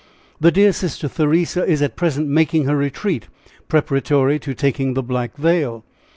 "The dear sister Theresa is at present making her retreat, preparatory to taking the black veil."